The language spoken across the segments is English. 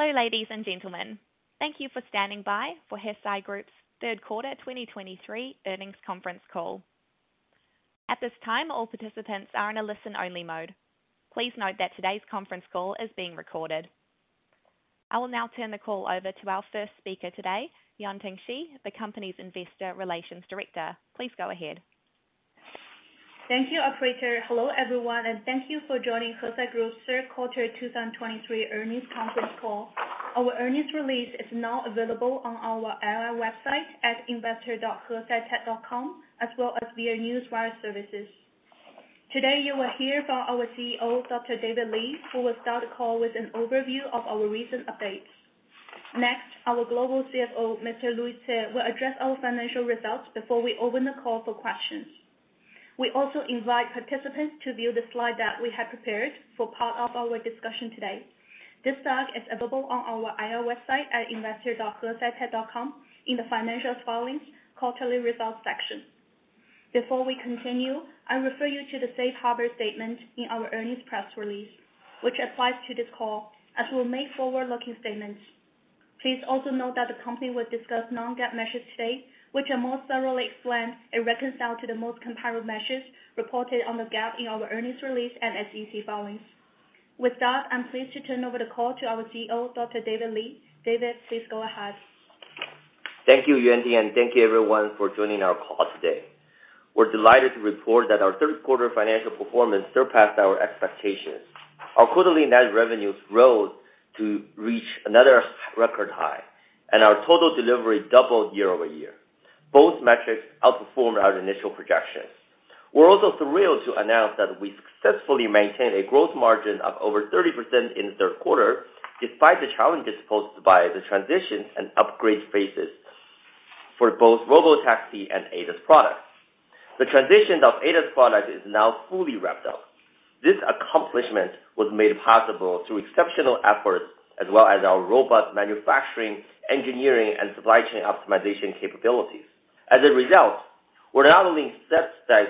Hello, ladies and gentlemen. Thank you for standing by for Hesai Group's third quarter 2023 earnings conference call. At this time, all participants are in a listen-only mode. Please note that today's conference call is being recorded. I will now turn the call over to our first speaker today, Yuanting Shi, the company's Investor Relations Director. Please go ahead. Thank you, operator. Hello, everyone, and thank you for joining Hesai Group's third quarter 2023 earnings conference call. Our earnings release is now available on our IR website at investor.hesaitech.com, as well as via newswire services. Today, you will hear from our CEO, Dr. David Li, who will start the call with an overview of our recent updates. Next, our Global CFO, Mr. Louis Hsieh, will address our financial results before we open the call for questions. We also invite participants to view the slide that we have prepared for part of our discussion today. This doc is available on our IR website at investor.hesaitech.com in the Financial Filings Quarterly Results section. Before we continue, I refer you to the safe harbor statement in our earnings press release, which applies to this call, as we'll make forward-looking statements. Please also note that the company will discuss non-GAAP measures today, which are more thoroughly explained and reconciled to the most comparable measures reported on the GAAP in our earnings release and SEC filings. With that, I'm pleased to turn over the call to our CEO, Dr. David Li. David, please go ahead. Thank you, Yuanting, and thank you everyone for joining our call today. We're delighted to report that our third quarter financial performance surpassed our expectations. Our quarterly net revenues rose to reach another record high, and our total delivery doubled year over year. Both metrics outperformed our initial projections. We're also thrilled to announce that we successfully maintained a gross margin of over 30% in the third quarter, despite the challenges posed by the transition and upgrade phases for both robotaxi and ADAS products. The transition of ADAS products is now fully wrapped up. This accomplishment was made possible through exceptional efforts, as well as our robust manufacturing, engineering, and supply chain optimization capabilities. As a result, we not only accept that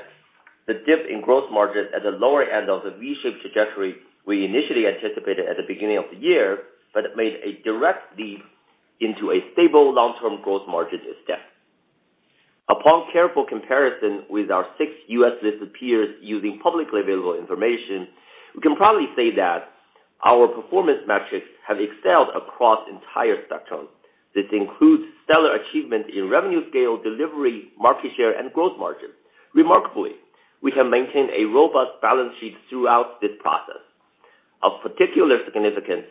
the dip in gross margin at the lower end of the V-shaped trajectory we initially anticipated at the beginning of the year, but it made a direct leap into a stable long-term gross margin instead. Upon careful comparison with our six U.S. listed peers using publicly available information, we can proudly say that our performance metrics have excelled across entire spectrum. This includes stellar achievement in revenue scale, delivery, market share, and gross margin. Remarkably, we have maintained a robust balance sheet throughout this process. Of particular significance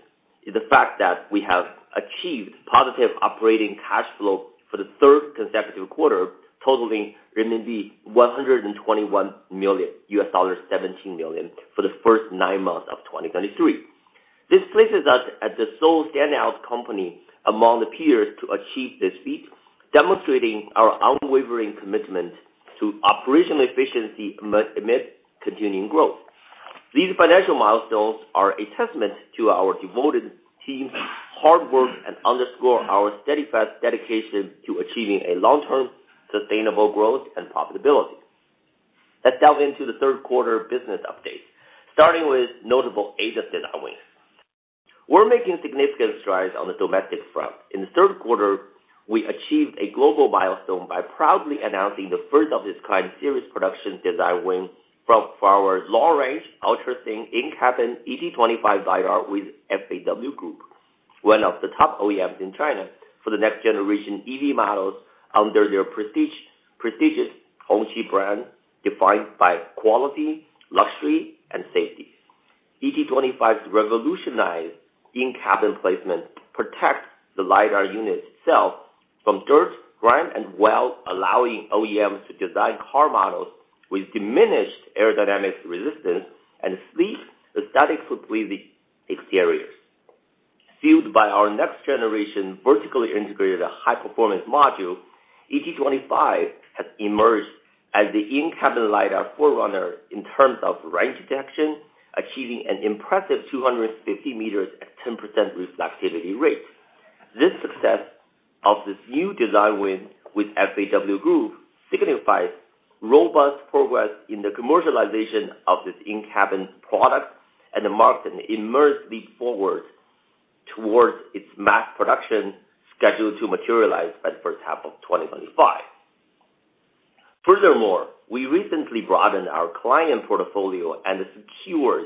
is the fact that we have achieved positive operating cash flow for the third consecutive quarter, totaling $121 million, $17 million, for the first nine months of 2023. This places us as the sole standout company among the peers to achieve this feat, demonstrating our unwavering commitment to operational efficiency amid continuing growth. These financial milestones are a testament to our devoted team's hard work and underscore our steadfast dedication to achieving a long-term, sustainable growth and profitability. Let's dive into the third quarter business update, starting with notable ADAS design wins. We're making significant strides on the domestic front. In the third quarter, we achieved a global milestone by proudly announcing the first of its kind series production design win from our long-range, ultra-thin, in-cabin ET25 LiDAR with FAW Group, one of the top OEMs in China, for the next generation EV models under their prestigious Hongqi brand, defined by quality, luxury, and safety. ET25's revolutionized in-cabin placement protects the LiDAR unit itself from dirt, grime, and well, allowing OEMs to design car models with diminished aerodynamic resistance and sleek, aesthetic interiors. Fueled by our next generation, vertically integrated, high-performance module, ET25 has emerged as the in-cabin LiDAR forerunner in terms of range detection, achieving an impressive 250 m at 10% reflectivity rate. This success of this new design win with FAW Group signifies robust progress in the commercialization of this in-cabin product, and the market immense leap forward towards its mass production, scheduled to materialize by the first half of 2025. Furthermore, we recently broadened our client portfolio and secured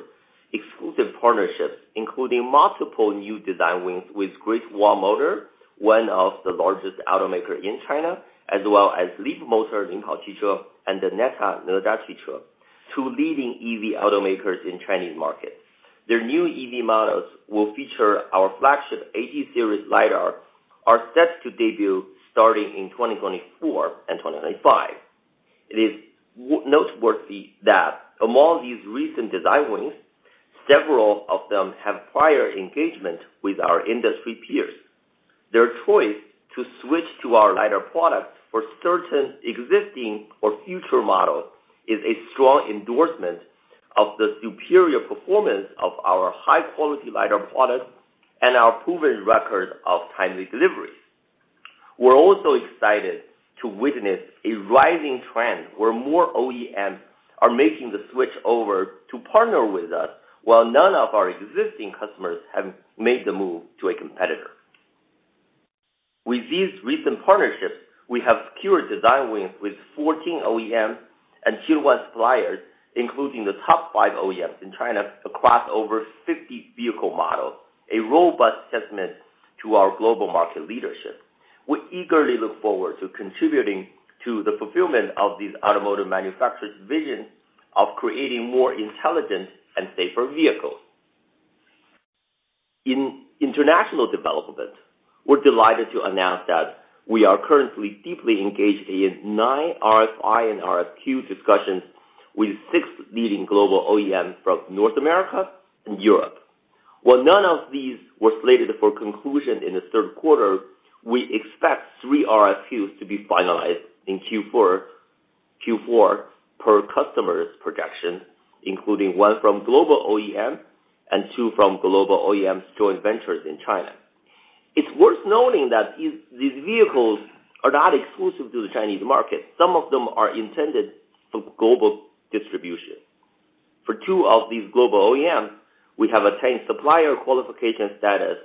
exclusive partnerships, including multiple new design wins with Great Wall Motor, one of the largest automaker in China, as well as Leapmotor, Li Auto, and the Neta, Neta Auto, two leading EV automakers in Chinese market. Their new EV models will feature our flagship AT Series LiDAR, are set to debut starting in 2024 and 2025. It is noteworthy that among these recent design wins, several of them have prior engagement with our industry peers. Their choice to switch to our LiDAR products for certain existing or future models is a strong endorsement of the superior performance of our high-quality LiDAR products and our proven record of timely delivery.... We're also excited to witness a rising trend where more OEMs are making the switch over to partner with us, while none of our existing customers have made the move to a competitor. With these recent partnerships, we have secured design wins with 14 OEMs and Tier One suppliers, including the top five OEMs in China, across over 50 vehicle models, a robust testament to our global market leadership. We eagerly look forward to contributing to the fulfillment of these automotive manufacturers' vision of creating more intelligent and safer vehicles. In international development, we're delighted to announce that we are currently deeply engaged in nine RFI and RFQ discussions with six leading global OEMs from North America and Europe. While none of these were slated for conclusion in the third quarter, we expect three RFQs to be finalized in Q4 per customers' projection, including one from global OEM and two from global OEM's joint ventures in China. It's worth noting that these vehicles are not exclusive to the Chinese market. Some of them are intended for global distribution. For two of these global OEMs, we have attained supplier qualification status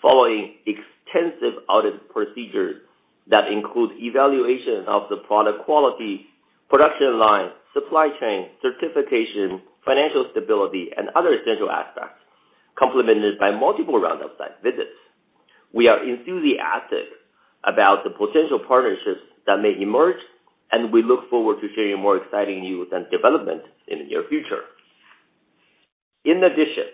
following extensive audit procedures that include evaluation of the product quality, production line, supply chain, certification, financial stability, and other essential aspects, complemented by multiple rounds of site visits. We are enthusiastic about the potential partnerships that may emerge, and we look forward to sharing more exciting news and development in the near future. In addition,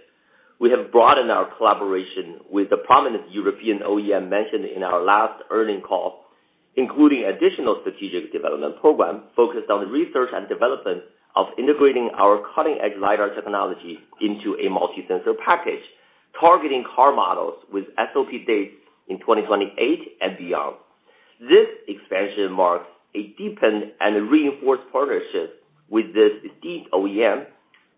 we have broadened our collaboration with the prominent European OEM mentioned in our last earnings call, including additional strategic development program focused on research and development of integrating our cutting-edge lidar technology into a multi-sensor package, targeting car models with SOP dates in 2028 and beyond. This expansion marks a deepened and reinforced partnership with this esteemed OEM,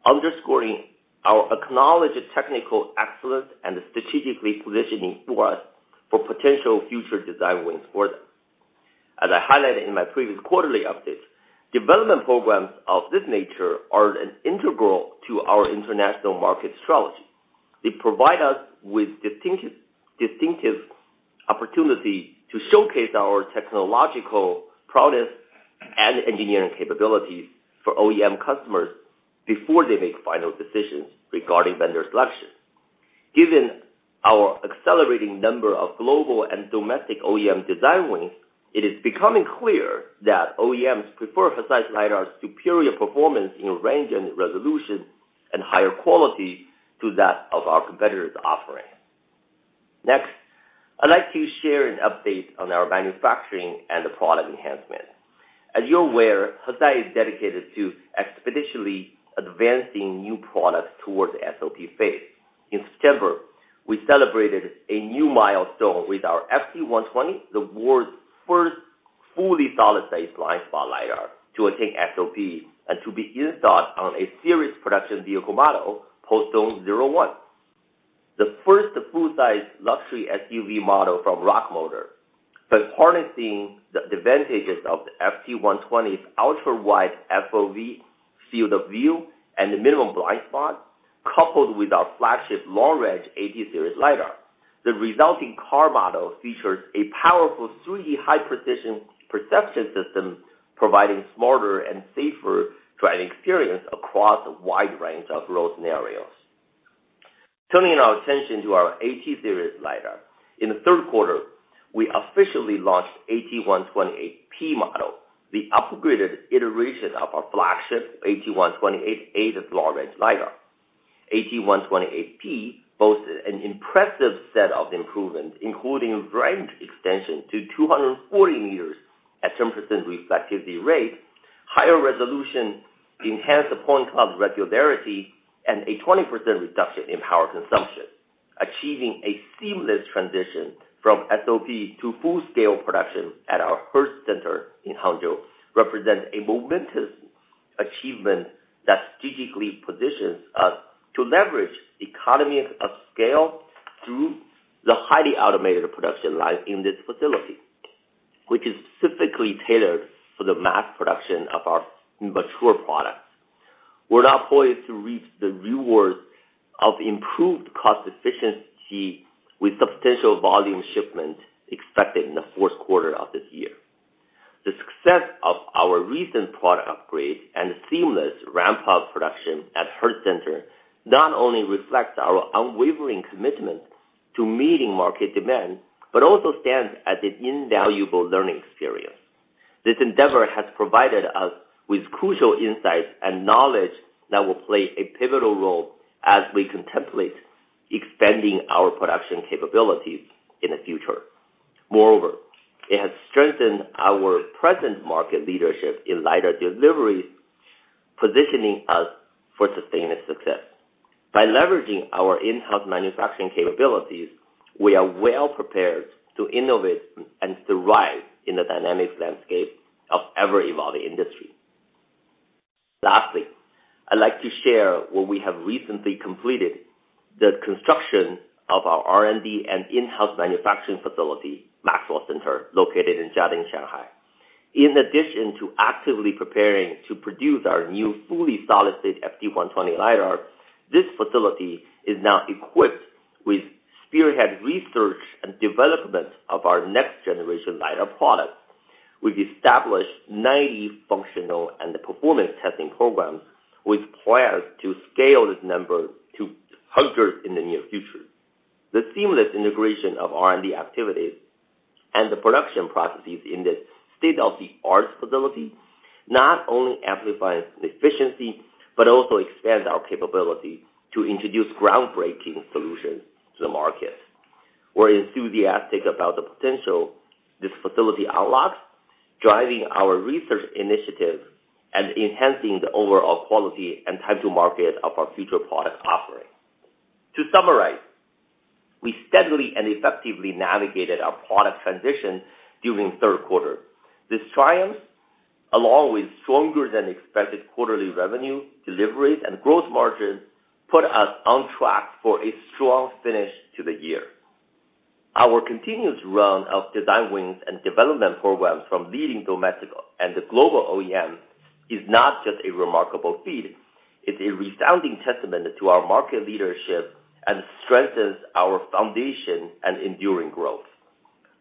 underscoring our acknowledged technical excellence and strategically positioning us for potential future design wins for them. As I highlighted in my previous quarterly update, development programs of this nature are an integral to our international market strategy. They provide us with distinctive opportunity to showcase our technological prowess and engineering capabilities for OEM customers before they make final decisions regarding vendor selection. Given our accelerating number of global and domestic OEM design wins, it is becoming clear that OEMs prefer Hesai LiDAR's superior performance in range and resolution and higher quality to that of our competitors' offering. Next, I'd like to share an update on our manufacturing and the product enhancement. As you're aware, Hesai is dedicated to expeditiously advancing new products towards the SOP phase. In September, we celebrated a new milestone with our FT120, the world's first fully solid-state blind spot LiDAR, to attain SOP and to be installed on a series production vehicle model, Polestones 01, the first full-size luxury SUV model from Rox Motor. By harnessing the advantages of the FT120’s ultra-wide FOV, field of view, and the minimum blind spot, coupled with our flagship long-range AT series LiDAR, the resulting car model features a powerful 3D high-precision perception system, providing smarter and safer driving experience across a wide range of road scenarios. Turning our attention to our AT series LiDAR, in the third quarter, we officially launched AT128P model, the upgraded iteration of our flagship AT128A long-range LiDAR. AT128P boasts an impressive set of improvements, including range extension to 240 meters at 10% reflectivity rate, higher resolution, enhanced point cloud regularity, and a 20% reduction in power consumption. Achieving a seamless transition from SOP to full-scale production at our Hertz Center in Hangzhou represents a momentous achievement that strategically positions us to leverage economy of scale through the highly automated production line in this facility, which is specifically tailored for the mass production of our mature products. We're now poised to reap the rewards of improved cost efficiency, with substantial volume shipment expected in the fourth quarter of this year. The success of our recent product upgrade and seamless ramp-up production at Hertz Center not only reflects our unwavering commitment to meeting market demand, but also stands as an invaluable learning experience. This endeavor has provided us with crucial insights and knowledge that will play a pivotal role as we contemplate expanding our production capabilities in the future. Moreover, it has strengthened our present market leadership in LiDAR deliveries, positioning us for sustained success. By leveraging our in-house manufacturing capabilities, we are well prepared to innovate and thrive in the dynamic landscape of ever-evolving industry... to share what we have recently completed, the construction of our R&D and in-house manufacturing facility, Maxwell Center, located in Jiading, Shanghai. In addition to actively preparing to produce our new fully solid-state FT120 LiDAR, this facility is now equipped with spearhead research and development of our next-generation LiDAR product. We've established 90 functional and performance testing programs, with plans to scale this number to 100 in the near future. The seamless integration of R&D activities and the production processes in this state-of-the-art facility, not only amplifies efficiency, but also expands our capability to introduce groundbreaking solutions to the market. We're enthusiastic about the potential this facility unlocks, driving our research initiative and enhancing the overall quality and time to market of our future product offering. To summarize, we steadily and effectively navigated our product transition during third quarter. This triumph, along with stronger-than-expected quarterly revenue, deliveries, and gross margins, put us on track for a strong finish to the year. Our continuous run of design wins and development programs from leading domestic and the global OEM is not just a remarkable feat, it's a resounding testament to our market leadership and strengthens our foundation and enduring growth.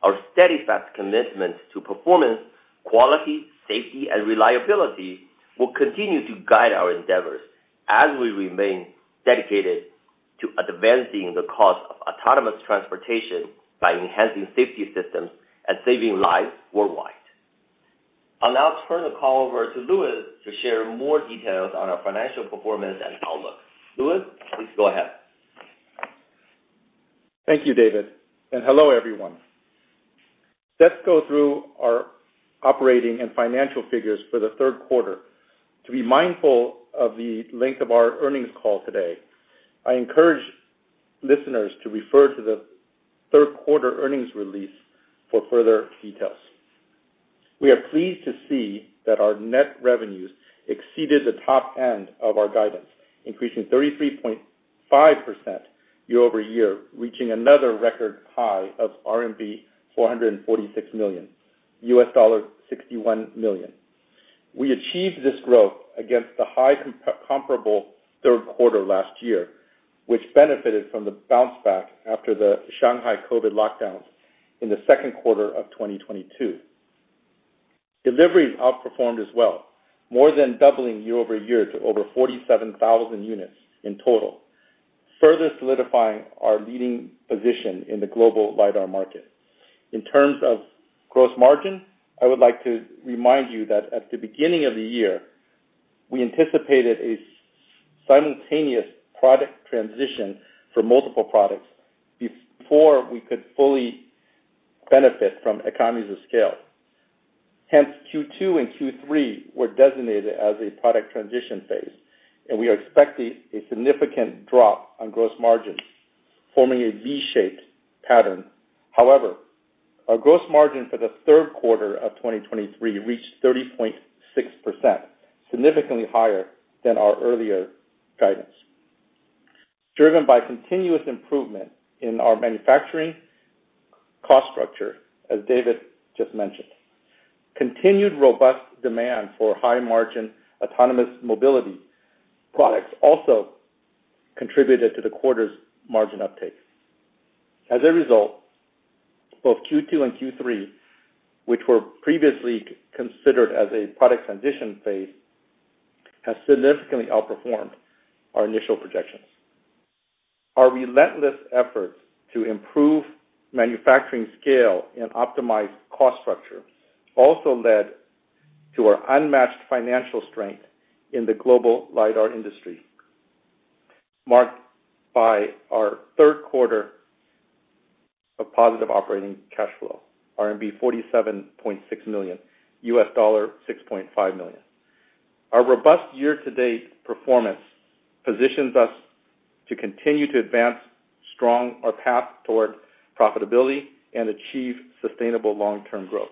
Our steadfast commitment to performance, quality, safety, and reliability will continue to guide our endeavors as we remain dedicated to advancing the cause of autonomous transportation by enhancing safety systems and saving lives worldwide. I'll now turn the call over to Louis to share more details on our financial performance and outlook. Louis, please go ahead. Thank you, David, and hello, everyone. Let's go through our operating and financial figures for the third quarter. To be mindful of the length of our earnings call today, I encourage listeners to refer to the third quarter earnings release for further details. We are pleased to see that our net revenues exceeded the top end of our guidance, increasing 33.5% year-over-year, reaching another record high of RMB 446 million, $61 million. We achieved this growth against the high comparable third quarter last year, which benefited from the bounce back after the Shanghai COVID lockdowns in the second quarter of 2022. Deliveries outperformed as well, more than doubling year-over-year to over 47,000 units in total, further solidifying our leading position in the global LiDAR market. In terms of gross margin, I would like to remind you that at the beginning of the year, we anticipated a simultaneous product transition for multiple products before we could fully benefit from economies of scale. Hence, Q2 and Q3 were designated as a product transition phase, and we are expecting a significant drop on gross margins, forming a V-shaped pattern. However, our gross margin for the third quarter of 2023 reached 30.6%, significantly higher than our earlier guidance, driven by continuous improvement in our manufacturing cost structure, as David just mentioned. Continued robust demand for high-margin autonomous mobility products also contributed to the quarter's margin uptake. As a result, both Q2 and Q3, which were previously considered as a product transition phase, has significantly outperformed our initial projections. Our relentless efforts to improve manufacturing scale and optimize cost structure also led to our unmatched financial strength in the global LiDAR industry, marked by our third quarter of positive operating cash flow, RMB 47.6 million, $6.5 million. Our robust year-to-date performance positions us to continue to advance strong our path toward profitability and achieve sustainable long-term growth.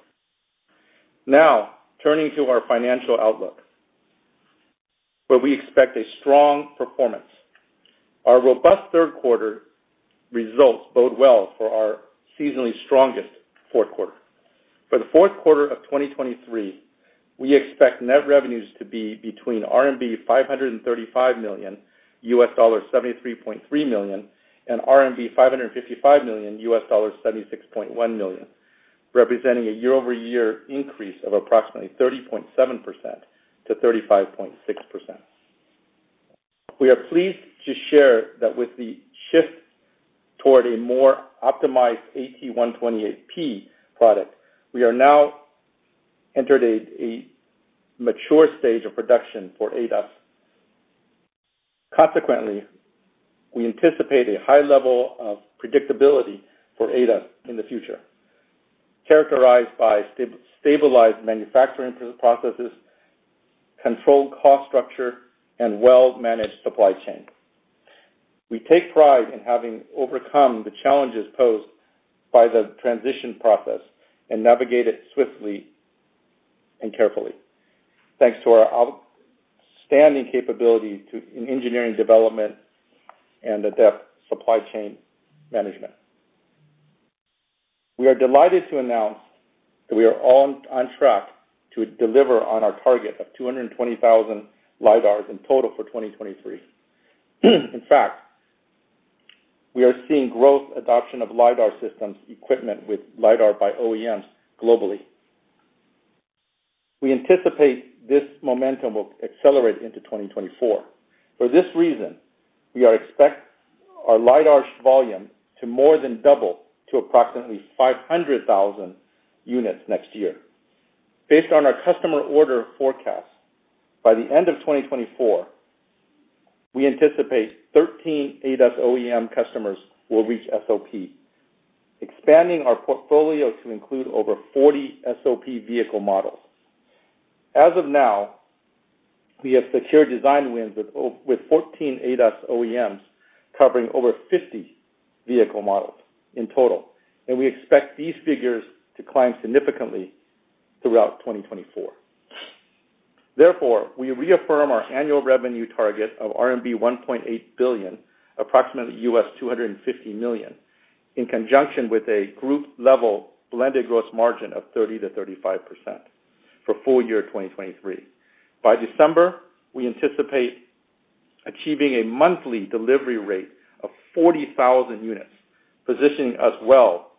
Now, turning to our financial outlook, where we expect a strong performance. Our robust third quarter results bode well for our seasonally strongest fourth quarter. For the fourth quarter of 2023, we expect net revenues to be between RMB 535 million, $73.3 million, and RMB 555 million, $76.1 million, representing a year-over-year increase of approximately 30.7%-35.6%. We are pleased to share that with the shift toward a more optimized AT128P product, we are now entered a mature stage of production for ADAS. Consequently, we anticipate a high level of predictability for ADAS in the future, characterized by stabilized manufacturing processes, controlled cost structure, and well-managed supply chain... We take pride in having overcome the challenges posed by the transition process and navigate it swiftly and carefully, thanks to our outstanding capability to in engineering, development, and adept supply chain management. We are delighted to announce that we are on track to deliver on our target of 220,000 lidars in total for 2023. In fact, we are seeing growth adoption of lidar systems equipment with lidar by OEMs globally. We anticipate this momentum will accelerate into 2024. For this reason, we expect our lidar volume to more than double to approximately 500,000 units next year. Based on our customer order forecast, by the end of 2024, we anticipate 13 ADAS OEM customers will reach SOP, expanding our portfolio to include over 40 SOP vehicle models. As of now, we have secured design wins with 14 ADAS OEMs, covering over 50 vehicle models in total, and we expect these figures to climb significantly throughout 2024. Therefore, we reaffirm our annual revenue target of RMB 1.8 billion, approximately $250 million, in conjunction with a group-level blended gross margin of 30%-35% for full year 2023. By December, we anticipate achieving a monthly delivery rate of 40,000 units, positioning us well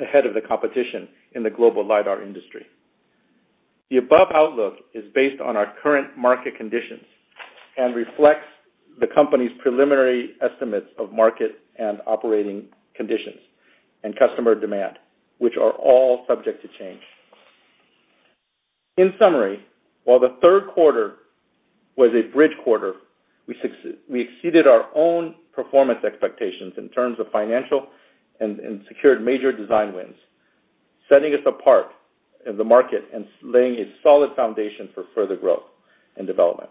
ahead of the competition in the global lidar industry. The above outlook is based on our current market conditions and reflects the company's preliminary estimates of market and operating conditions and customer demand, which are all subject to change. In summary, while the third quarter was a bridge quarter, we exceeded our own performance expectations in terms of financial and secured major design wins, setting us apart in the market and laying a solid foundation for further growth and development.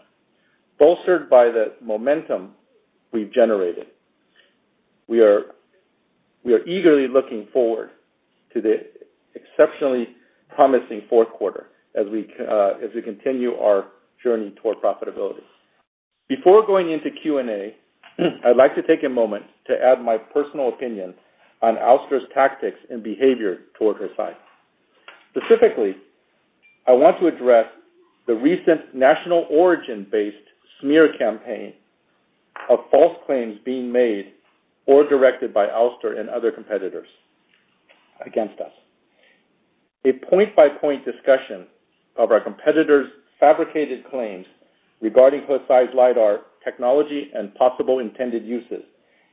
Bolstered by the momentum we've generated, we are eagerly looking forward to the exceptionally promising fourth quarter as we continue our journey toward profitability. Before going into Q&A, I'd like to take a moment to add my personal opinion on Ouster's tactics and behavior towards Hesai. Specifically, I want to address the recent national origin-based smear campaign of false claims being made or directed by Ouster and other competitors against us. A point-by-point discussion of our competitors' fabricated claims regarding Hesai's lidar technology and possible intended uses,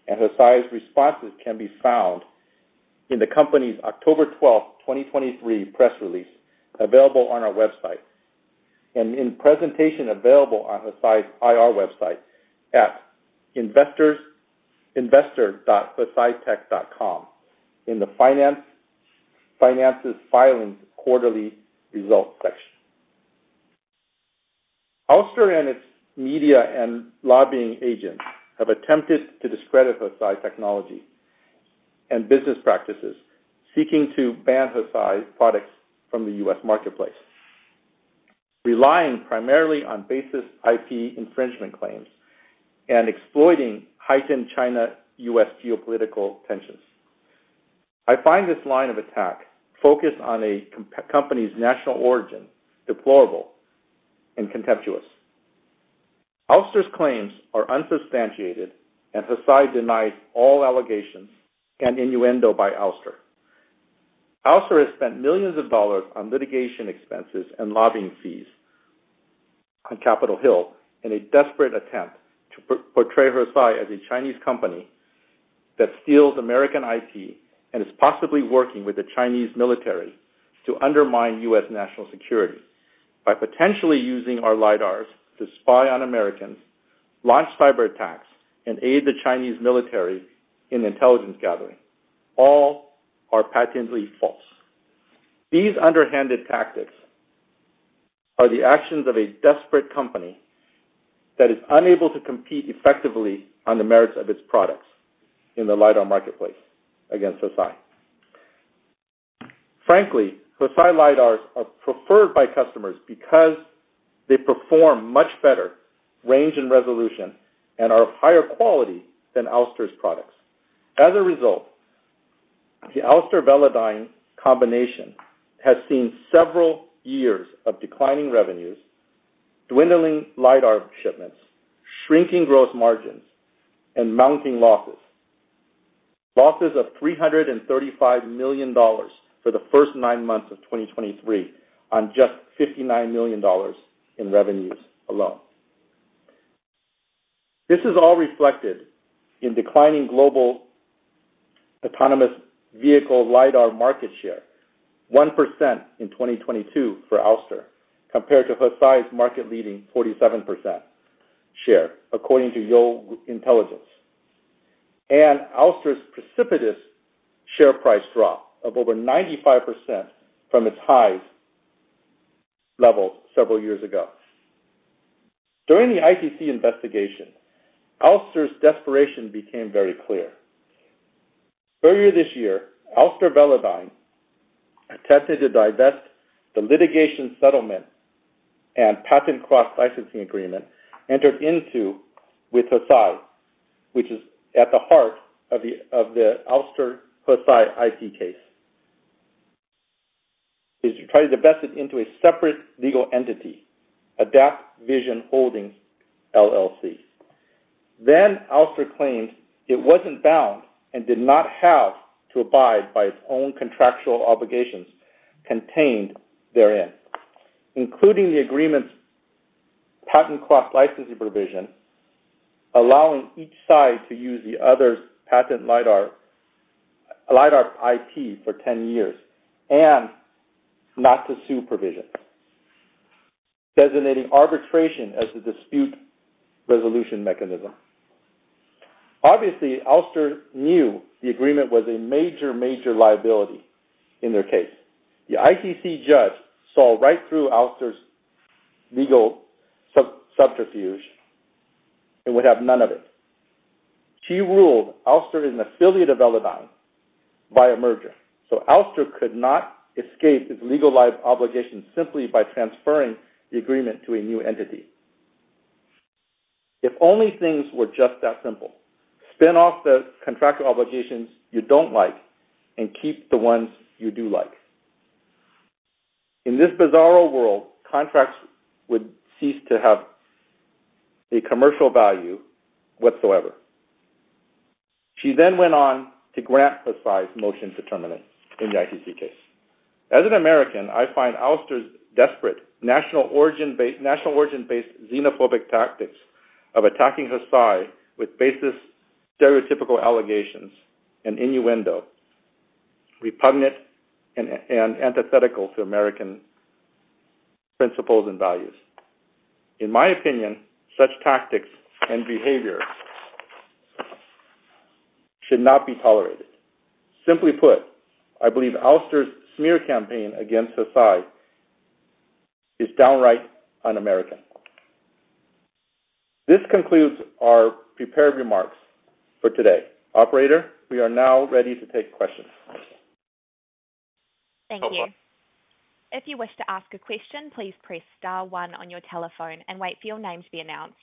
and Hesai's responses can be found in the company's October 12, 2023, press release, available on our website, and in presentation available on Hesai's IR website at investors.hesaitech.com in the financial filings quarterly results section. Ouster and its media and lobbying agents have attempted to discredit Hesai technology and business practices, seeking to ban Hesai products from the U.S. marketplace, relying primarily on baseless IP infringement claims and exploiting heightened China-U.S. geopolitical tensions. I find this line of attack focused on a company's national origin, deplorable and contemptuous. Ouster's claims are unsubstantiated, and Hesai denies all allegations and innuendo by Ouster. Ouster has spent $ millions on litigation expenses and lobbying fees on Capitol Hill in a desperate attempt to portray Hesai as a Chinese company that steals American IP and is possibly working with the Chinese military to undermine U.S. national security by potentially using our lidars to spy on Americans, launch cyberattacks, and aid the Chinese military in intelligence gathering. All are patently false. These underhanded tactics are the actions of a desperate company that is unable to compete effectively on the merits of its products in the lidar marketplace against Hesai. Frankly, Hesai lidars are preferred by customers because they perform much better range and resolution and are of higher quality than Ouster's products. As a result, the Ouster Velodyne combination has seen several years of declining revenues, dwindling lidar shipments, shrinking gross margins, and mounting losses. Losses of $335 million for the first nine months of 2023 on just $59 million in revenues alone. This is all reflected in declining global autonomous vehicle lidar market share, 1% in 2022 for Ouster, compared to Hesai's market-leading 47% share, according to Yole Intelligence. Ouster's precipitous share price drop of over 95% from its highs level several years ago. During the ITC investigation, Ouster's desperation became very clear. Earlier this year, Ouster Velodyne attempted to divest the litigation settlement and patent cross-licensing agreement entered into with Hesai, which is at the heart of the Ouster Hesai IP case. Is to try to divest it into a separate legal entity, Adapt Vision Holdings, LLC. Then Ouster claimed it wasn't bound and did not have to abide by its own contractual obligations contained therein, including the agreement's patent cross-licensing provision, allowing each side to use the other's patent LiDAR, LiDAR IP for 10 years and not to sue provision, designating arbitration as the dispute resolution mechanism. Obviously, Ouster knew the agreement was a major, major liability in their case. The ITC judge saw right through Ouster's legal sub-subterfuge and would have none of it. She ruled Ouster is an affiliate of Velodyne by a merger, so Ouster could not escape its legal life obligations simply by transferring the agreement to a new entity. If only things were just that simple, spin off the contract obligations you don't like and keep the ones you do like. In this bizarro world, contracts would cease to have a commercial value whatsoever. She then went on to grant Hesai's motion to terminate in the ITC case. As an American, I find Ouster's desperate national origin-based xenophobic tactics of attacking Hesai with baseless, stereotypical allegations and innuendo, repugnant and antithetical to American principles and values. In my opinion, such tactics and behavior should not be tolerated. Simply put, I believe Ouster's smear campaign against Hesai is downright un-American. This concludes our prepared remarks for today. Operator, we are now ready to take questions. Thank you. If you wish to ask a question, please press star one on your telephone and wait for your name to be announced.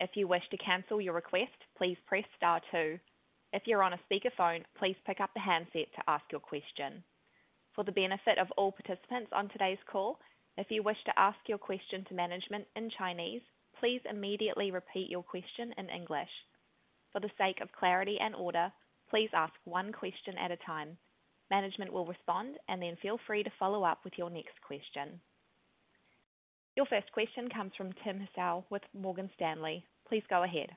If you wish to cancel your request, please press star two. If you're on a speakerphone, please pick up the handset to ask your question. For the benefit of all participants on today's call, if you wish to ask your question to management in Chinese, please immediately repeat your question in English. For the sake of clarity and order, please ask one question at a time. Management will respond, and then feel free to follow up with your next question. Your first question comes from Tim Hsiao with Morgan Stanley. Please go ahead.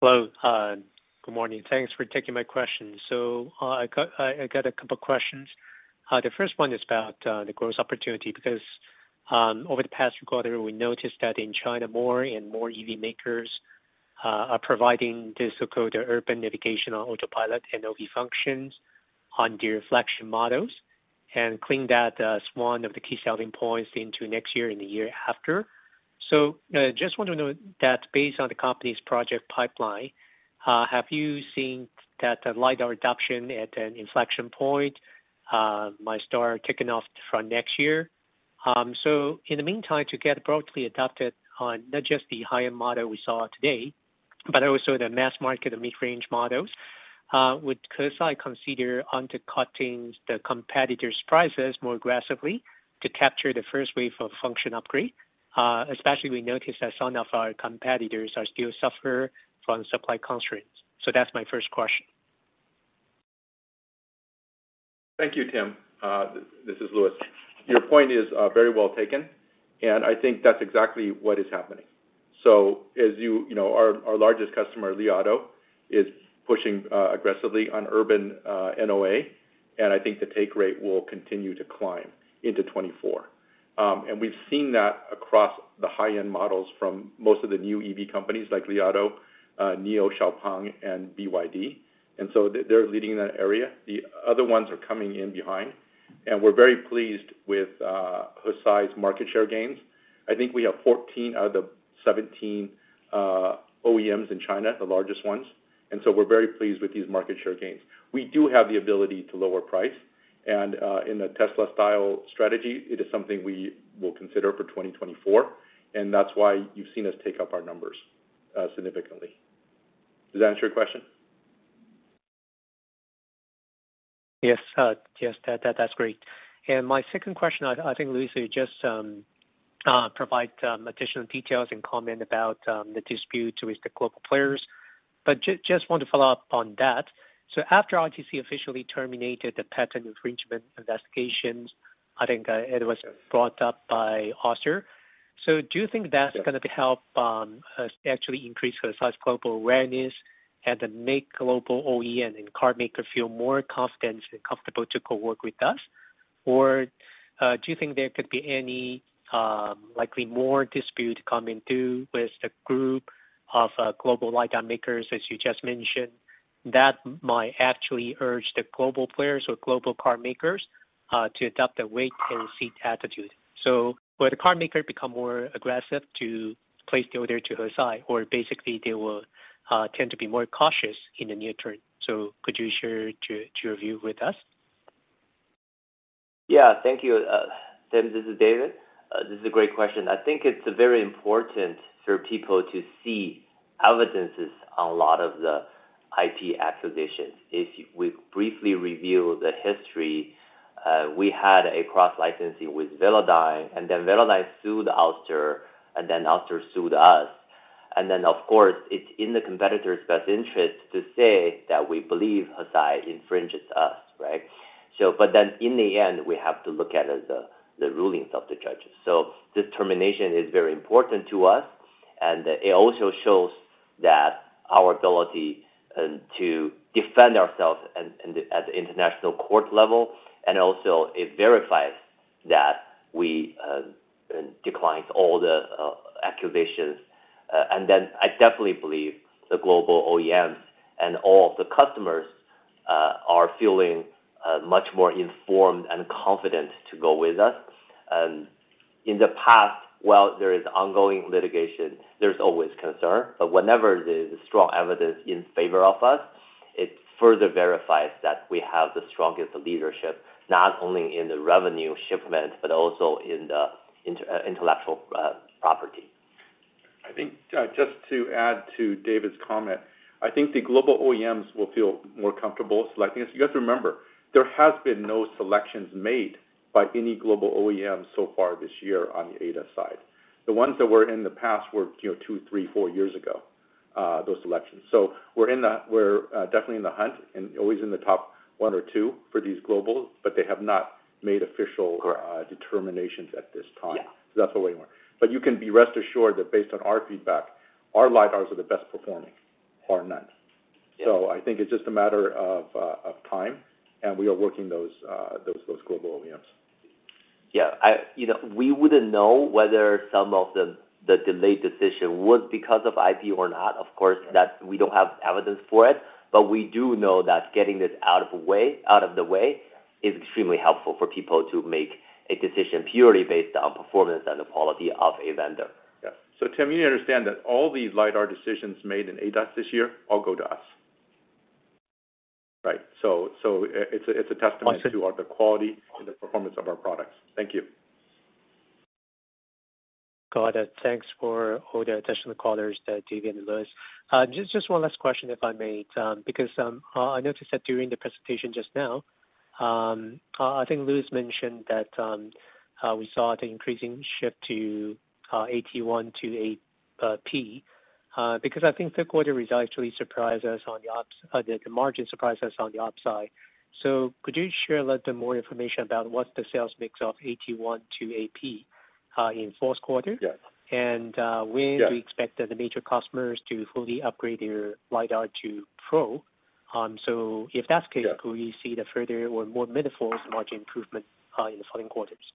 Hello, good morning. Thanks for taking my question. So, I got a couple questions. The first one is about the growth opportunity, because over the past quarter, we noticed that in China, more and more EV makers are providing the so-called urban navigation on autopilot NOA functions on their reflection models, and claiming that as one of the key selling points into next year and the year after. So, just want to know that based on the company's project pipeline, have you seen that the LiDAR adoption at an inflection point might start kicking off from next year? So in the meantime, to get broadly adopted on not just the higher model we saw today, but also the mass market and mid-range models, would Hesai consider undercutting the competitors' prices more aggressively to capture the first wave of function upgrade? Especially, we noticed that some of our competitors are still suffer from supply constraints. So that's my first question. Thank you, Tim. This is Louis. Your point is very well taken, and I think that's exactly what is happening. So as you... You know, our largest customer, Li Auto, is pushing aggressively on urban NOA, and I think the take rate will continue to climb into 2024. And we've seen that across the high-end models from most of the new EV companies like Li Auto, NIO, Xiaopeng, and BYD. And so they, they're leading that area. The other ones are coming in behind, and we're very pleased with Hesai's market share gains. I think we have 14 out of the 17 OEMs in China, the largest ones, and so we're very pleased with these market share gains. We do have the ability to lower price, and in a Tesla-style strategy, it is something we will consider for 2024, and that's why you've seen us take up our numbers significantly. Does that answer your question? Yes. Yes, that that's great. My second question, I think Louis, you just provide additional details and comment about the dispute with the global players. But just want to follow up on that. So after ITC officially terminated the patent infringement investigations, I think it was brought up by Ouster. So do you think that's- Yeah Gonna help us actually increase Hesai's global awareness and then make global OEM and carmaker feel more confident and comfortable to co-work with us? Or, do you think there could be any likely more dispute coming through with the group of global LiDAR makers, as you just mentioned, that might actually urge the global players or global car makers to adopt a wait-and-see attitude? So will the car maker become more aggressive to place the order to Hesai, or basically they will tend to be more cautious in the near term? So could you share your, your view with us? Yeah. Thank you, Tim, this is David. This is a great question. I think it's very important for people to see evidences on a lot of the IP acquisitions. If we briefly review the history, we had a cross-licensing with Velodyne, and then Velodyne sued Ouster, and then Ouster sued us. And then, of course, it's in the competitor's best interest to say that we believe Hesai infringes us, right? But then in the end, we have to look at the rulings of the judges. So this termination is very important to us, and it also shows that our ability to defend ourselves at the international court level, and also it verifies that we decline all the accusations. And then I definitely believe the global OEMs and all the customers are feeling much more informed and confident to go with us. In the past, while there is ongoing litigation, there's always concern. But whenever there's strong evidence in favor of us, it further verifies that we have the strongest leadership, not only in the revenue shipment, but also in the intellectual property. I think, just to add to David's comment, I think the global OEMs will feel more comfortable selecting us. You have to remember, there has been no selections made by any global OEM so far this year on the ADAS side. The ones that were in the past were, you know, two, three, four years ago, those selections. So we're, definitely in the hunt and always in the top one or two for these globals, but they have not made official- Correct. - determinations at this time. Yeah. That's the way we are. But you can be rest assured that based on our feedback, our LiDARs are the best performing, bar none. Yeah. So I think it's just a matter of time, and we are working those global OEMs. Yeah, you know, we wouldn't know whether some of the, the delayed decision was because of IP or not. Of course, that we don't have evidence for it, but we do know that getting this out of way, out of the way, is extremely helpful for people to make a decision purely based on performance and the quality of a vendor. Yeah. So Tim, you need to understand that all these LiDAR decisions made in ADAS this year all go to us, right? So, it's a, it's a testament- Awesome... to the quality and the performance of our products. Thank you. Got it. Thanks for all the additional callers, David and Louis. Just, just one last question, if I may. Because I noticed that during the presentation just now, I think Louis mentioned that we saw the increasing shift to AT128 to AT128P, because I think the quarter results actually surprised us on the OpEx- the, the margin surprised us on the OpEx side. So could you share a little more information about what the sales mix of AT128 to AT128P in fourth quarter? Yes. And, uh- Yeah... when do you expect the major customers to fully upgrade their LiDAR to Pro? So if that's the case- Yeah... could we see the further or more meaningful margin improvement in the following quarters?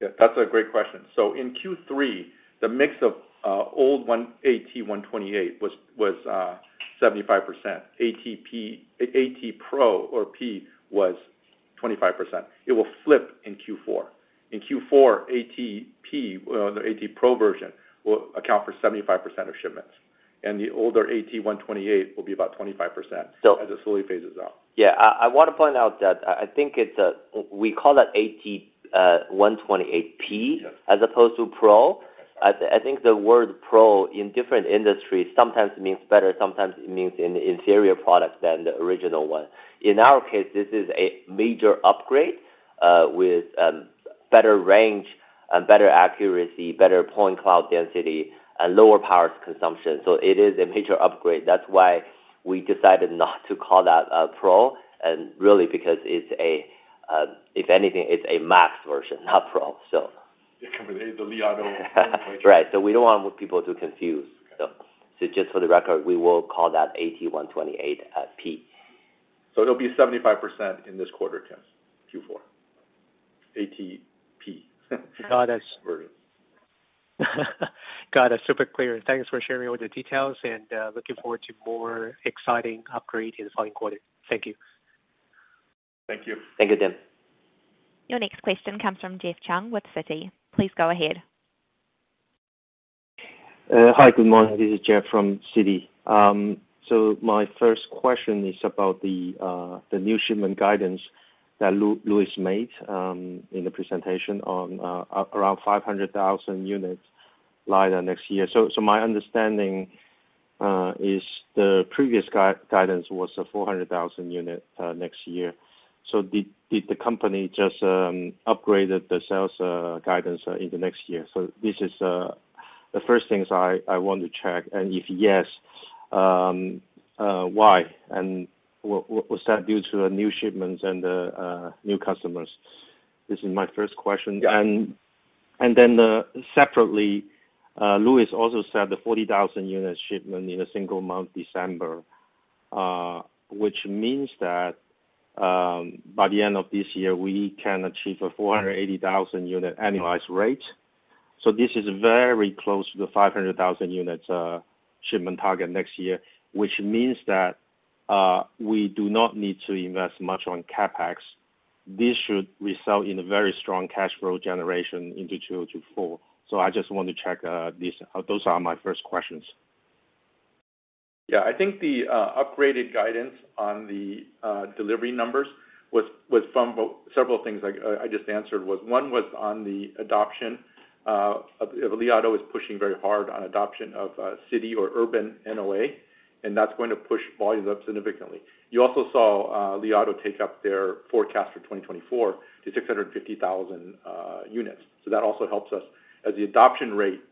Yeah, that's a great question. So in Q3, the mix of old one, AT128 was 75%. AT128P, AT Pro or P, was 25%. It will flip in Q4. In Q4, AT128P, the AT Pro version, will account for 75% of shipments, and the older AT128 will be about 25%- So- as it slowly phases out. Yeah, I want to point out that I think it's a, we call it AT 128 P- Yes... as opposed to Pro. I think the word Pro in different industries sometimes means better, sometimes it means an inferior product than the original one. In our case, this is a major upgrade with better range and better accuracy, better point cloud density, and lower power consumption. So it is a major upgrade. That's why we decided not to call that a Pro, and really because it's a, if anything, it's a max version, not Pro, so. It can be the LiDAR. Right. So we don't want people to confuse. Okay. Just for the record, we will call that AT128P. So it'll be 75% in this quarter, Tim, Q4. AT P. Got it. Version. Got it. Super clear. Thanks for sharing all the details and looking forward to more exciting upgrade in the following quarter. Thank you. Thank you. Thank you, Tim. Your next question comes from Jeff Chung with Citi. Please go ahead. Hi, good morning. This is Jeff from Citi. So my first question is about the new shipment guidance that Louis made in the presentation on around 500,000 units lidar next year. So my understanding is the previous guidance was a 400,000 unit next year. So did the company just upgraded the sales guidance in the next year? So this is the first things I want to check, and if yes, why? And was that due to the new shipments and the new customers? This is my first question. Yeah.... Then, separately, Louis also said the 40,000-unit shipment in a single month, December. Which means that, by the end of this year, we can achieve a 480,000-unit annualized rate. So this is very close to the 500,000 units shipment target next year, which means that, we do not need to invest much on CapEx. This should result in a very strong cash flow generation into 2 to 4. So I just want to check, this. Those are my first questions. Yeah, I think the upgraded guidance on the delivery numbers was from several things. I just answered was one was on the adoption of Li Auto is pushing very hard on adoption of city or urban NOA, and that's going to push volumes up significantly. You also saw Li Auto take up their forecast for 2024 to 650,000 units. So that also helps us as the adoption rate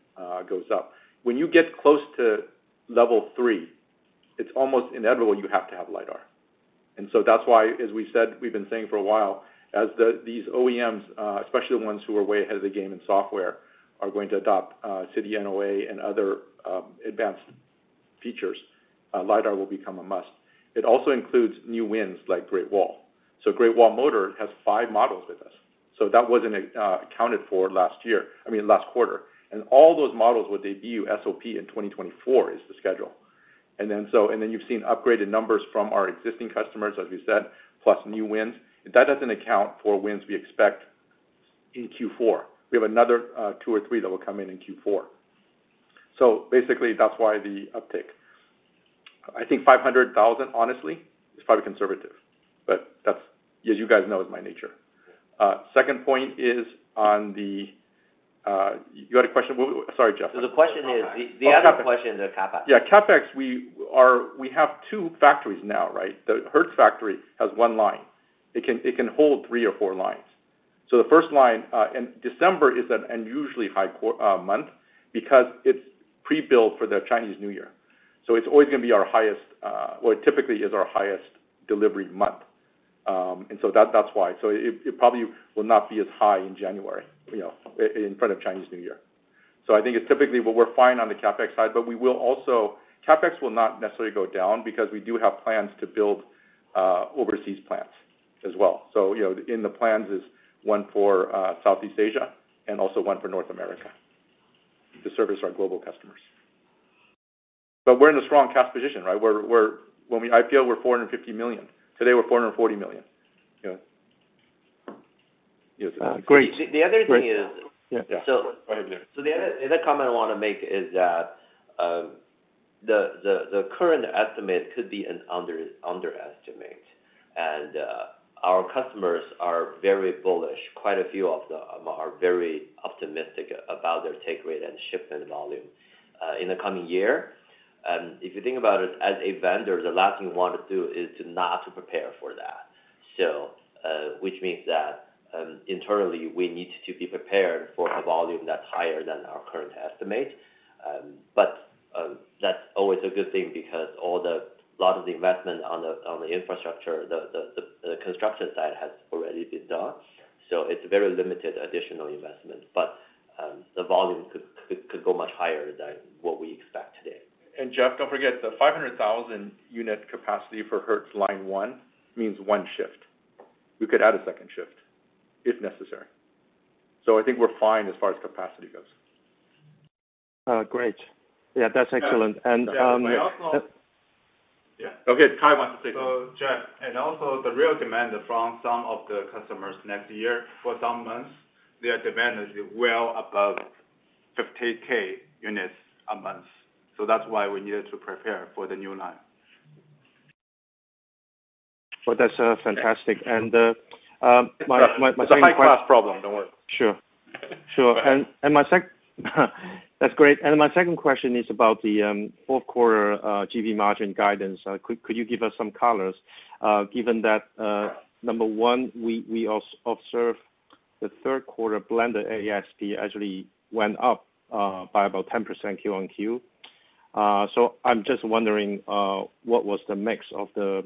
goes up. When you get close to level three, it's almost inevitable you have to have LiDAR. And so that's why, as we said, we've been saying for a while, as these OEMs, especially the ones who are way ahead of the game in software, are going to adopt city NOA and other advanced features, LiDAR will become a must. It also includes new wins like Great Wall Motor. Great Wall Motor has five models with us, so that wasn't accounted for last year, I mean, last quarter. All those models will debut SOP in 2024, is the schedule. Then you've seen upgraded numbers from our existing customers, as we said, plus new wins, and that doesn't account for wins we expect in Q4. We have another two or three that will come in in Q4. So basically, that's why the uptick. I think 500,000, honestly, is probably conservative, but that's, as you guys know, is my nature. Second point is on the... You had a question? Sorry, Jeff. So the question is, the other question is the CapEx. Yeah, CapEx, we are. We have two factories now, right? The Hertz factory has one line. It can hold three or four lines. So the first line in December is an unusually high month because it's pre-built for the Chinese New Year. So it's always going to be our highest, or typically is our highest delivery month. And so that's why. So it probably will not be as high in January, you know, in front of Chinese New Year. So I think it's typical, but we're fine on the CapEx side, but we will also. CapEx will not necessarily go down because we do have plans to build overseas plants as well. So, you know, in the plans is one for Southeast Asia and also one for North America to service our global customers. But we're in a strong cash position, right? When we IPO, we're $450 million. Today, we're $440 million. Yeah. Uh, great. The other thing is- Yeah. So- Go ahead. So the other comment I want to make is that the current estimate could be an underestimate, and our customers are very bullish. Quite a few of them are very optimistic about their take rate and shipment volume in the coming year. And if you think about it, as a vendor, the last thing you want to do is not prepare for that. So which means that internally, we need to be prepared for a volume that's higher than our current estimate. But that's always a good thing because a lot of the investment on the infrastructure, the construction side has already been done, so it's very limited additional investment, but the volume could go much higher than what we expect today. Jeff, don't forget, the 500,000 unit capacity for Hertz line one means one shift. We could add a second shift if necessary. So I think we're fine as far as capacity goes. Great. Yeah, that's excellent. And, Yeah, but also- Yeah. Okay, Kai wants to say something. So, Jeff, and also the real demand from some of the customers next year, for some months, their demand is well above 50K units a month. So that's why we needed to prepare for the new line. Well, that's fantastic. And my second- It's a high-class problem. Don't worry. Sure, sure. That's great. And my second question is about the fourth quarter GB margin guidance. Could you give us some colors? Given that, number one, we observe the third quarter blended ASP actually went up by about 10% Q-over-Q. So I'm just wondering what was the mix of the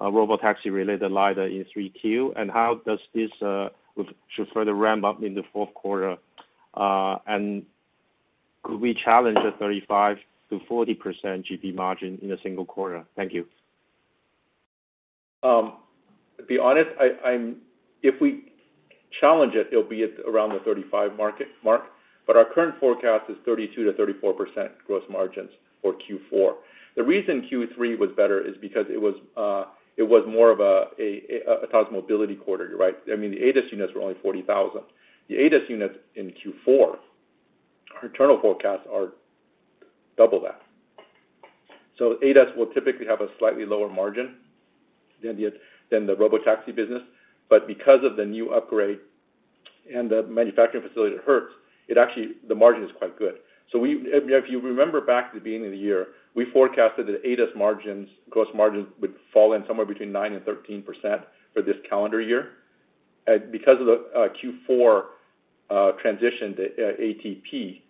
robotaxi-related LiDAR in 3Q, and how does this should further ramp up in the fourth quarter? And could we challenge the 35%-40% GB margin in a single quarter? Thank you. To be honest, if we challenge it, it'll be at around the 35 market-mark, but our current forecast is 32%-34% gross margins for Q4. The reason Q3 was better is because it was more of a autonomy mobility quarter, right? I mean, the ADAS units were only 40,000. The ADAS units in Q4, our internal forecasts are double that. So ADAS will typically have a slightly lower margin than the robotaxi business, but because of the new upgrade and the manufacturing facility at Hertz, it actually-- the margin is quite good. So if you remember back to the beginning of the year, we forecasted that ADAS margins, gross margins, would fall in somewhere between 9%-13% for this calendar year. Because of the Q4 transition to ATP-...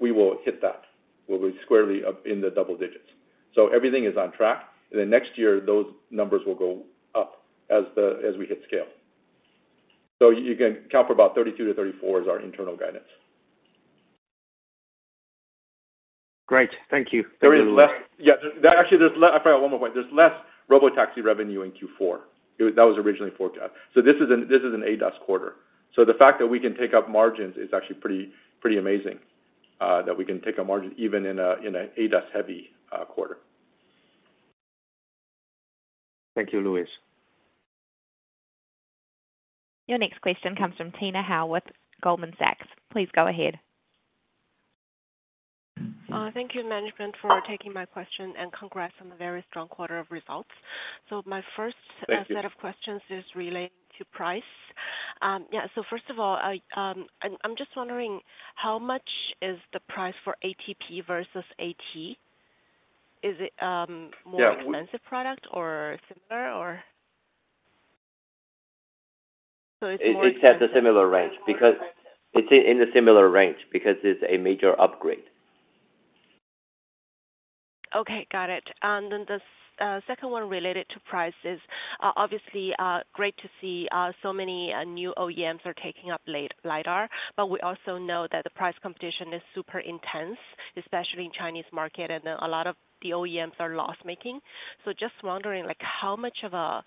We will hit that. We'll be squarely up in the double digits. So everything is on track, and then next year, those numbers will go up as we hit scale. So you can count for about 32-34 as our internal guidance. Great. Thank you. There is less. Yeah, actually, I forgot one more point. There's less robotaxi revenue in Q4. That was originally forecast. So this is an ADAS quarter. So the fact that we can take up margins is actually pretty, pretty amazing that we can take a margin even in an ADAS-heavy quarter. Thank you, Louis. Your next question comes from Tina Hou with Goldman Sachs. Please go ahead. Thank you, management, for taking my question, and congrats on the very strong quarter of results. So my first- Thank you. A set of questions is relating to price. Yeah, so first of all, I’m just wondering, how much is the price for ATP versus AT? Is it- Yeah. more expensive product or similar or? So it's more- It's in a similar range, because it's a major upgrade. Okay, got it. And then the second one related to price is obviously great to see so many new OEMs are taking up LiDAR, but we also know that the price competition is super intense, especially in Chinese market, and then a lot of the OEMs are loss-making. So just wondering, like, how much of a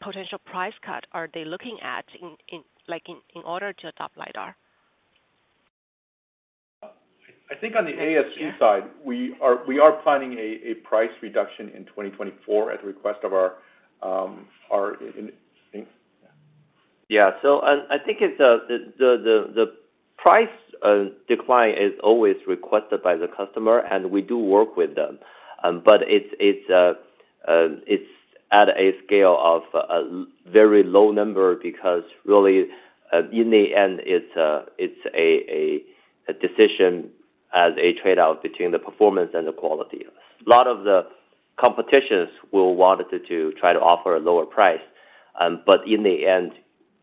potential price cut are they looking at in order to adopt LiDAR? I think on the ADAS side, we are planning a price reduction in 2024 at the request of our, in... Yeah, so I think it's the price decline is always requested by the customer, and we do work with them. But it's at a scale of a very low number because really, in the end, it's a decision as a trade-off between the performance and the quality. A lot of the competitors will want to try to offer a lower price, but in the end,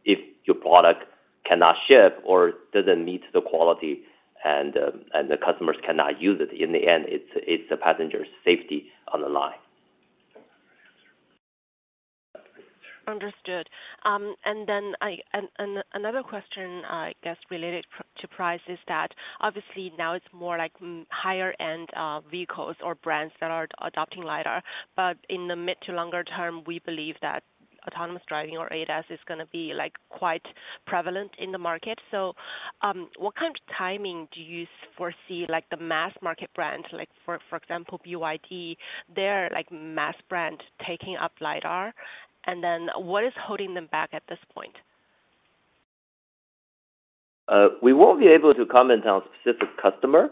if your product cannot ship or doesn't meet the quality and the customers cannot use it, in the end, it's the passenger's safety on the line. Understood. And another question, I guess, related to price is that obviously now it's more like higher-end vehicles or brands that are adopting LiDAR, but in the mid to longer term, we believe that autonomous driving or ADAS is gonna be, like, quite prevalent in the market. So, what kind of timing do you foresee, like, the mass market brand, like, for example, BYD, they're like mass brand, taking up LiDAR? And then, what is holding them back at this point? We won't be able to comment on specific customer,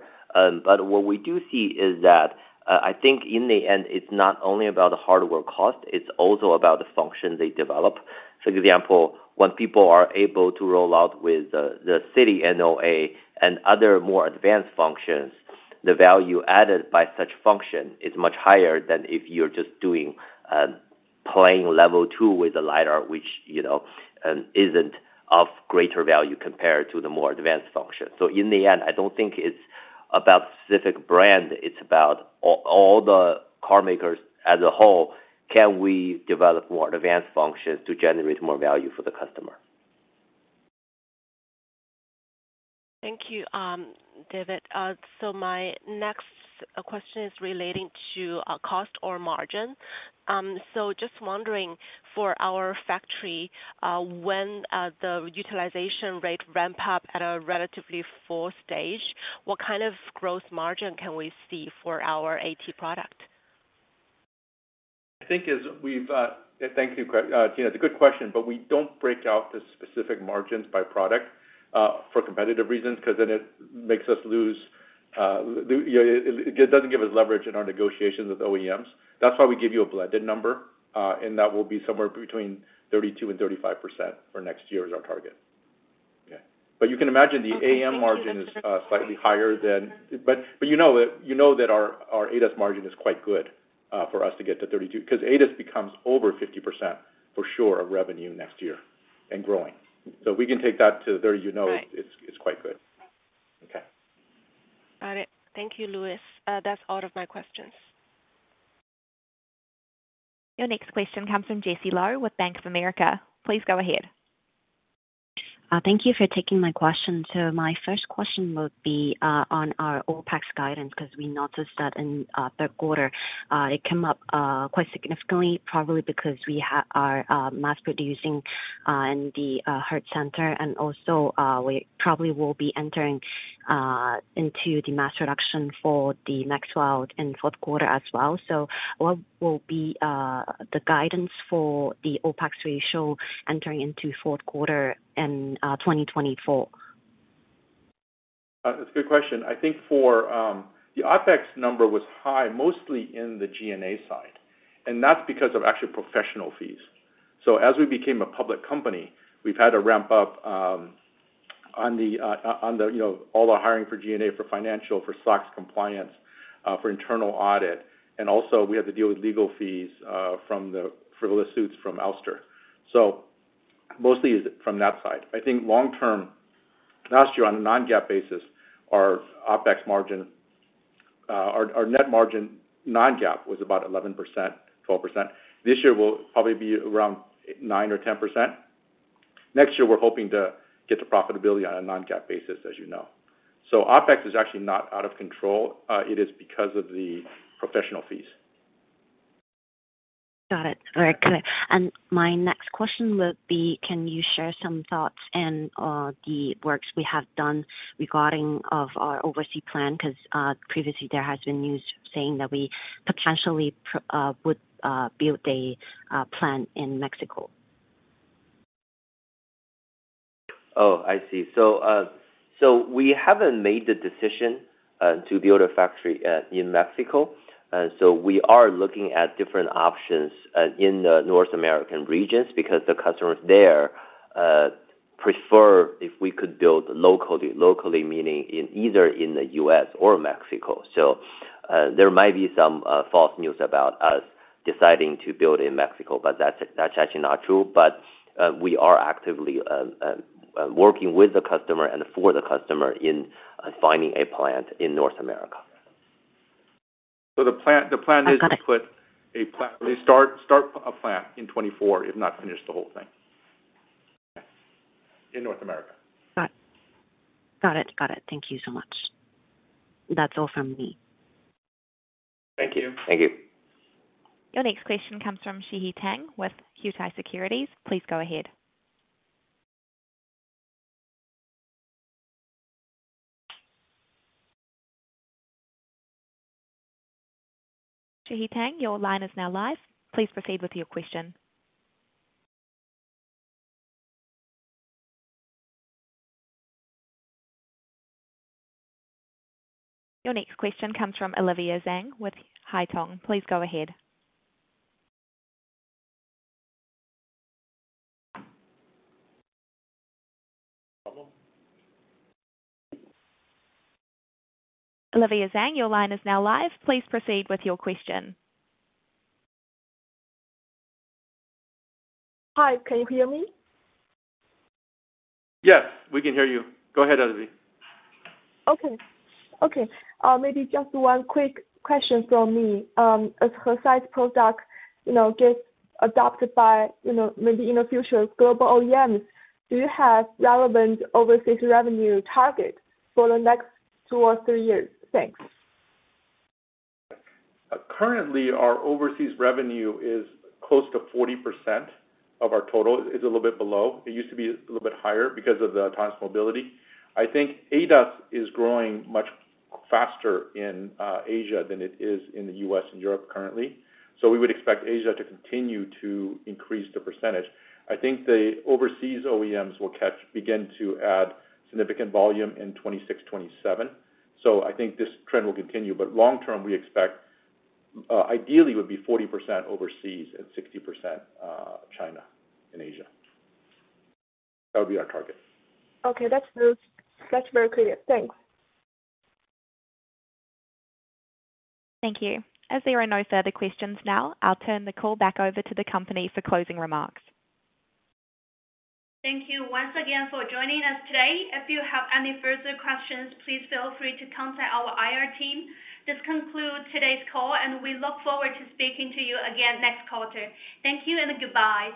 but what we do see is that I think in the end, it's not only about the hardware cost, it's also about the function they develop. For example, when people are able to roll out with the city NOA and other more advanced functions, the value added by such function is much higher than if you're just doing playing level two with the LiDAR, which, you know, isn't of greater value compared to the more advanced function. So in the end, I don't think it's about specific brand, it's about all, all the car makers as a whole. Can we develop more advanced functions to generate more value for the customer? Thank you, David. So my next question is relating to cost or margin. So just wondering, for our factory, when the utilization rate ramp up at a relatively full stage, what kind of gross margin can we see for our AT product? I think it's we've... Thank you, Greg. Tina, it's a good question, but we don't break out the specific margins by product for competitive reasons, because then it makes us lose... It doesn't give us leverage in our negotiations with OEMs. That's why we give you a blended number, and that will be somewhere between 32%-35% for next year is our target. Yeah, but you can imagine the AM margin is slightly higher than... But you know it, you know that our ADAS margin is quite good for us to get to 32%, because ADAS becomes over 50% for sure of revenue next year and growing. So we can take that to there, you know. Right. It's quite good. Okay. Got it. Thank you, Louis. That's all of my questions. Your next question comes from Jessie Lo with Bank of America. Please go ahead. Thank you for taking my question. So my first question would be, on our OpEx guidance, because we noticed that in, third quarter, it came up, quite significantly, probably because we have, are, mass producing, in the, Hertz Center, and also, we probably will be entering, into the mass production for the Maxwell in fourth quarter as well. So what will be, the guidance for the OpEx ratio entering into fourth quarter in, 2024? That's a good question. I think for, the OpEx number was high, mostly in the G&A side, and that's because of actual professional fees. So as we became a public company, we've had to ramp up, on the, on the, you know, all the hiring for G&A, for financial, for SOX compliance, for internal audit, and also we had to deal with legal fees, from the—for the suits from Ouster. So mostly is from that side. I think long term, last year, on a non-GAAP basis, our OpEx margin, our, our net margin non-GAAP was about 11%, 12%. This year will probably be around 9% or 10%. Next year, we're hoping to get to profitability on a non-GAAP basis, as you know. So OpEx is actually not out of control, it is because of the professional fees. Got it. Very clear. And my next question would be: can you share some thoughts and the works we have done regarding of our overseas plan? Because previously there has been news saying that we potentially would build a plant in Mexico. Oh, I see. So, so we haven't made the decision to build a factory in Mexico. So we are looking at different options in the North American regions, because the customers there prefer if we could build locally, locally meaning in either in the U.S. or Mexico. So, there might be some false news about us deciding to build in Mexico, but that's, that's actually not true. But, we are actively working with the customer and for the customer in finding a plant in North America. So the plan is- Got it. To put a plant. We start a plant in 2024, if not finish the whole thing. In North America. Got it. Got it, got it. Thank you so much. That's all from me. Thank you. Thank you. Your next question comes from Shihi Tang with Huatai Securities. Please go ahead. Shihi Tang, your line is now live. Please proceed with your question. Your next question comes from Olivia Zhang with Haitong. Please go ahead. Olivia Zhang, your line is now live. Please proceed with your question. Hi, can you hear me? Yes, we can hear you. Go ahead, Olivia. Okay. Okay, maybe just one quick question from me. As Hesai's product, you know, gets adopted by, you know, maybe in the future, global OEMs, do you have relevant overseas revenue targets for the next two or three years? Thanks. Currently, our overseas revenue is close to 40% of our total. It's a little bit below. It used to be a little bit higher because of the autonomous mobility. I think ADAS is growing much faster in Asia than it is in the U.S. and Europe currently. So we would expect Asia to continue to increase the percentage. I think the overseas OEMs will catch, begin to add significant volume in 2026, 2027. So I think this trend will continue, but long term, we expect, ideally would be 40% overseas and 60%, China and Asia. That would be our target. Okay. That's, that's very clear. Thanks. Thank you. As there are no further questions now, I'll turn the call back over to the company for closing remarks. Thank you once again for joining us today. If you have any further questions, please feel free to contact our IR team. This concludes today's call, and we look forward to speaking to you again next quarter. Thank you and goodbye.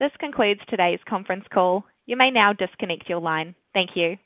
This concludes today's conference call. You may now disconnect your line. Thank you.